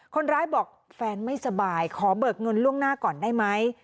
คนร้ายบอกแฟนไม่สบายขอเบิกเงินล่วงหน้าก่อนได้ไหม